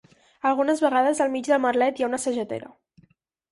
Algunes vegades al mig del merlet hi ha una sagetera.